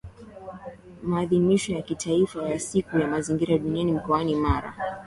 Maadhimisho ya Kitaifa ya Siku ya Mazingira duniani Mkoani Mara